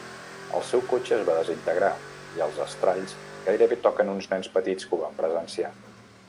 El seu cotxe es va desintegrar i els estralls gairebé toquen uns nens petits que ho van presenciar.